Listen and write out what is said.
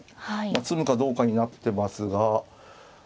詰むかどうかになってますが。